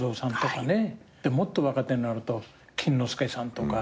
もっと若手になると錦之介さんとか。